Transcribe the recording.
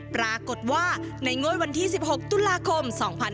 ปรากฏว่าในงวดวันที่๑๖ตุลาคม๒๕๕๙